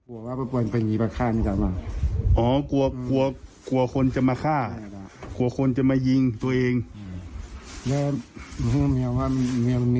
อืมจะเป็นโรคเครียดเป็นโรคเครียด